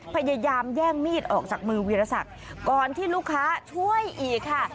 พยายามแย่งมีดออกจากมือวีรศักดิ์ก่อนที่ลูกค้าช่วยอีกค่ะ